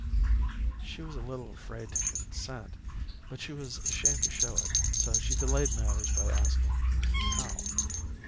She was a little afraid to consent, but she was ashamed to show it. So she delayed matters by asking "How?"